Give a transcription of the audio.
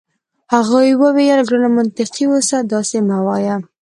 هغې وویل: ګرانه منطقي اوسه، داسي مه وایه.